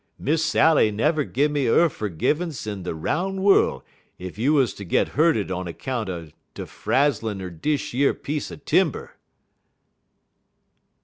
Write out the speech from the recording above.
Miss Sally never gimme 'er fergivance in de roun' worl' ef you 'uz ter git hurted on account er de frazzlin' er dish yer piece er timber."